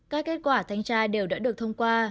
các kết quả thanh tra đều đã được thông qua